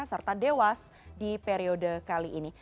serta dewas di periode kali ini